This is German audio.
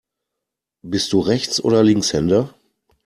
Bist du Rechts- oder Linkshänder?